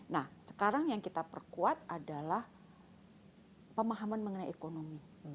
nah sekarang yang kita perkuat adalah pemahaman mengenai ekonomi